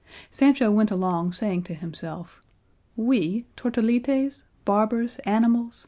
Sancho went along saying to himself, "We, tortolites, barbers, animals!